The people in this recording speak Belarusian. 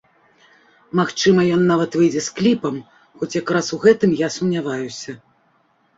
Магчыма, ён нават выйдзе з кліпам, хоць як раз у гэтым я сумняваюся.